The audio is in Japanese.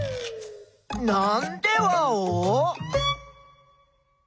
なんでワオ？